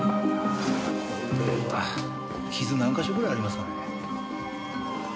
これは傷何か所ぐらいありますかね？